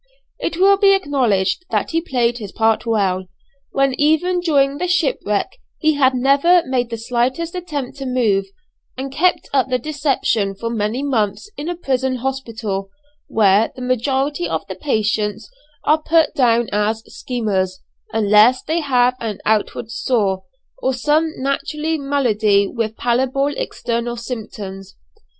It will be acknowledged that he played his part well, when even during the shipwreck he had never made the slightest attempt to move, and kept up the deception for many months in a prison hospital, where the majority of the patients are put down as "schemers" unless they have an outward sore, or some natural malady with palpable external symptoms.